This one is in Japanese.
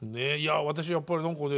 私やっぱり何かね